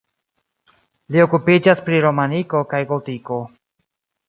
Li okupiĝas pri romaniko kaj gotiko.